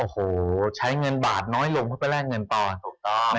๕๐กว่าบาทเพื่อแรงกินตอน